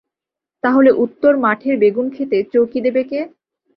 তাহলে উত্তর মাঠের বেগুন-ক্ষেতে চৌকি দেবে কে?